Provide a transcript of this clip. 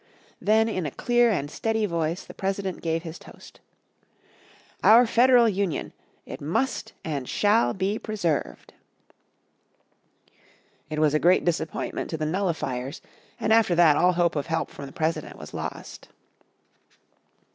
Then in a clear and steady voice the President gave his toast: "Our Federal Union; it must and shall be preserved." It was a great disappointment to the Nullifiers and after that all hope of help from the President was lost.